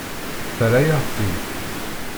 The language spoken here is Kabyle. Terra-yaɣ-tt-id.